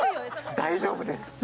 大丈夫です！